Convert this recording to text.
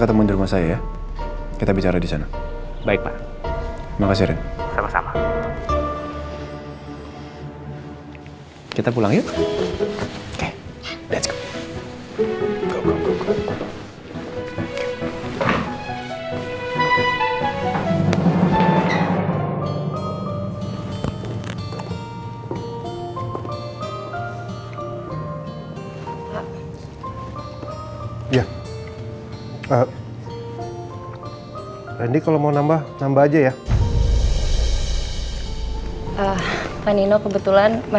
sampai jumpa di video selanjutnya